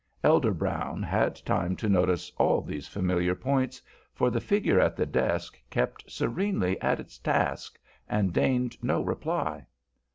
Elder Brown had time to notice all these familiar points, for the figure at the desk kept serenely at its task, and deigned no reply.